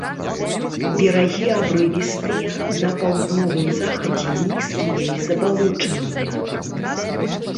Берагі абрывістыя, на паўднёвым захадзе нізкія і забалочаныя.